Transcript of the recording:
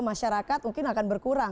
masyarakat mungkin akan berkurang